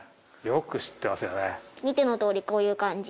見てのとおりこういう感じ。